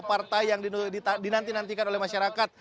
partai yang dinantikan oleh masyarakat